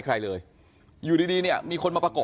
แต่อยู่ดีมีคนมาประกบ